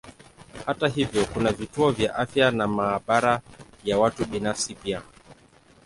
Hata hivyo kuna vituo vya afya na maabara ya watu binafsi pia.